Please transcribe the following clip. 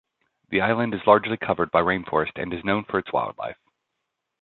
The island is largely covered by rainforest and is known for its wildlife.